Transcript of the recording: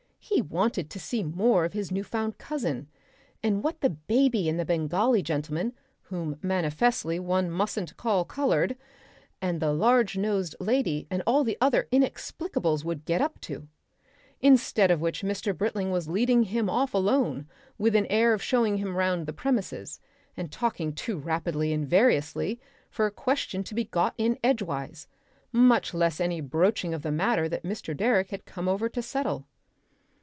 He wanted to see more of his new found cousin, and what the baby and the Bengali gentleman whom manifestly one mustn't call "coloured" and the large nosed lady and all the other inexplicables would get up to. Instead of which Mr. Britling was leading him off alone with an air of showing him round the premises, and talking too rapidly and variously for a question to be got in edgeways, much less any broaching of the matter that Mr. Direck had come over to settle.